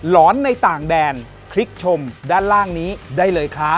โปรดติดตามตอนต่อไป